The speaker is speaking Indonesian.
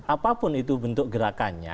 apapun itu bentuk gerakannya